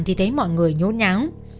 thì thấy mọi người nhốt nháo